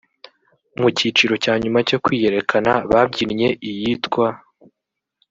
Mu cyiciro cya nyuma cyo kwiyerekana babyinnye iyitwa